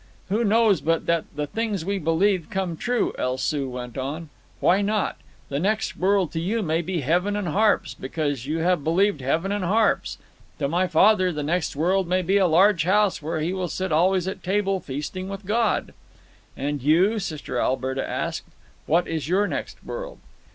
"Who knows but that the things we believe come true?" El Soo went on. "Why not? The next world to you may be heaven and harps ... because you have believed heaven and harps; to my father the next world may be a large house where he will sit always at table feasting with God." "And you?" Sister Alberta asked. "What is your next world?"